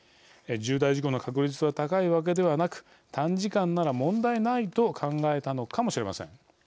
重大事故の確率は高いわけではなく短時間なら問題ないと考えたのかもしれません。